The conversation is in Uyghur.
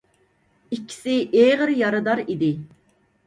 ئىككىسى ئېغىر يارىدار ئىدى.